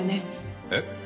えっ？